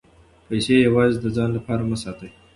پیسې یوازې د ځان لپاره مه ساتئ.